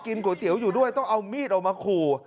ก๋วยเตี๋ยวอยู่ด้วยต้องเอามีดออกมาขู่